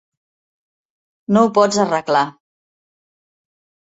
No ho pots arreglar.